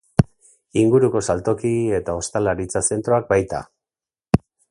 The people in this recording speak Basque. Inguruko saltoki eta ostalaritza zentroak baita.